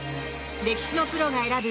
歴史のプロが選ぶ